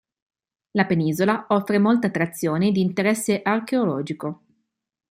La penisola offre molte attrazioni di interesse archeologico.